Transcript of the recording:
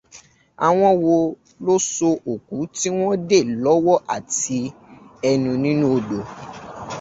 Àwọn wò ló sọ òkú tí wọn dè lọ́wọ́ àti ẹnu sínú odò?